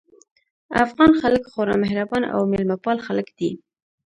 افغان خلک خورا مهربان او مېلمه پال خلک دي